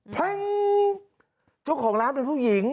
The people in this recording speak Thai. แป๊งช่วงของร้านเป็นผู้หญิง